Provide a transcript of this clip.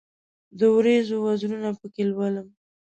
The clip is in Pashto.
د اوریځو وزرونه پکښې لولم